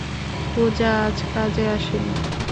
পূজা আজ কাজে আসেনি।